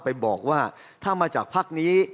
ไปบอกว่าถ้ามาจากภาคนี้